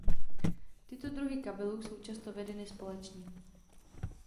Tyto druhy kabelů jsou často vedeny společně.